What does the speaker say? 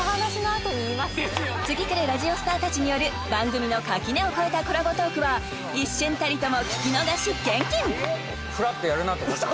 次くるラジオスターたちによる番組の垣根を越えたコラボトークは一瞬たりとも聴き逃し厳禁！